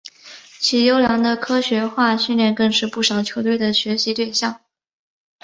其优良的科学化训练更是不少球队的学习对象。